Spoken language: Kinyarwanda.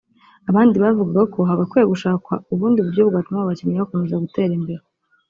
abandi bavugaga ko hagakwiye gushakwa ubundi buryo bwatuma abo bakinnyi bakomeza gutera imbere